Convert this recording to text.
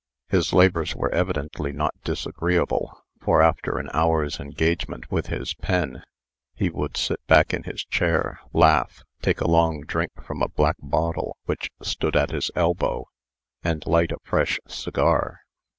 His labors were evidently not disagreeable; for, after an hour's engagement with his pen, he would sit back in his chair, laugh, take a long drink from a black bottle which stood at his elbow, and light a fresh cigar.